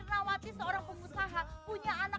nah lo jadi orang tuanya gimana